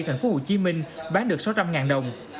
tp hcm bán được sáu trăm linh đồng